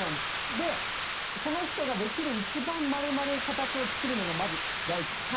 でその人ができる一番丸まる形を作るのがまず第一です。